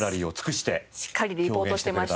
しっかりリポートしてました。